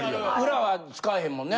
裏は使えへんもんね？